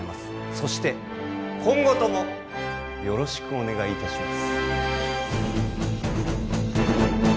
そして「今後とも宜しくお願い致します」